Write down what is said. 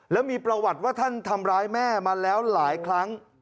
แล้วมีประวัติว่าท่านทำร้ายแม่มาแล้วหลายครั้ง